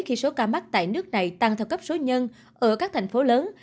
khi số ca mắc tại nước này tăng theo cấp số nhân ở các thành phố lớn